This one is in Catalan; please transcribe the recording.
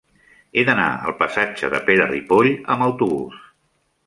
He d'anar al passatge de Pere Ripoll amb autobús.